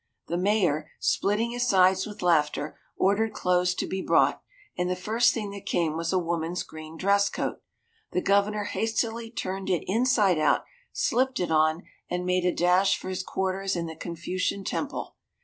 The Mayor, splitting his sides with laughter, ordered clothes to be brought, and the first thing that came was a woman's green dress coat. The Governor hastily turned it inside out, slipped it on, and made a dash for his quarters in the Confucian Temple.